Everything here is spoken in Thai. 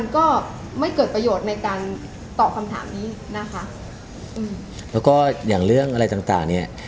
ก็ไม่เกิดประโยชน์ในการตอบคำถามนี้นะคะอืมแล้วก็อย่างเรื่องอะไรต่างต่างเนี้ย